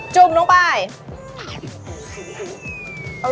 จุ่มลงไป